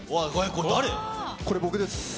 これ、僕です。